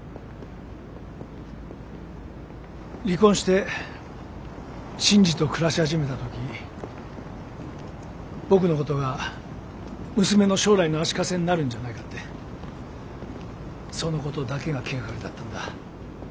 離婚して信爾と暮らし始めた時僕のことが娘の将来の足かせになるんじゃないかってそのことだけが気がかりだったんだ。